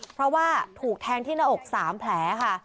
เพราะว่าถูกแทงที่หน้าอก๓แผลค่ะ